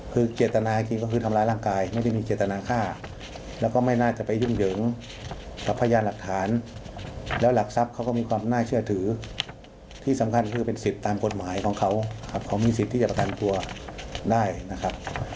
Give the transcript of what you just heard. คือเจตนาจริงก็คือทำร้ายร่างกายไม่ได้มีเจตนาฆ่าแล้วก็ไม่น่าจะไปยุ่งเหยิงกับพยานหลักฐานแล้วหลักทรัพย์เขาก็มีความน่าเชื่อถือที่สำคัญคือเป็นสิทธิ์ตามกฎหมายของเขาครับเขามีสิทธิ์ที่จะประกันตัวได้นะครับ